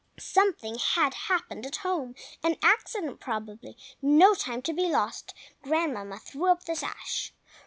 Something had happened at home,—an accident, probably! No time must be lost. Grandmamma threw up the sash.